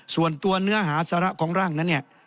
ส่วนตัวเนื้อหาสาระของร่างนั้น